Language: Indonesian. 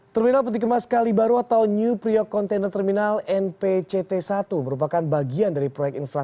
terminal peti kemas kali baru atau new priok container terminal npct satu merupakan bagian dari proyek infrastruktur